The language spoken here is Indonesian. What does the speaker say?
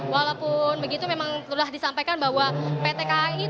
walaupun begitu memang telah disampaikan bahwa pt kai